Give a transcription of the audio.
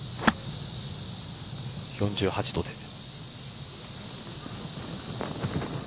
４８度です。